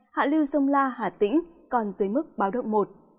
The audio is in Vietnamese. hạ lưu sông la hà tĩnh còn dưới mức báo động một